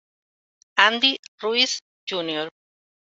Andy Ruiz Jr.